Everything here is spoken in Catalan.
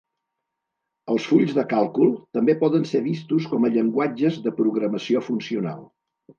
Els fulls de càlcul també poden ser vistos com a llenguatges de programació funcional.